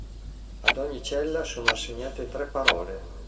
Ad ogni cella sono assegnate tre parole.